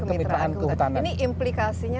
kemitraan kehutanan ini implikasinya